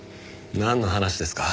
なんの話ですか。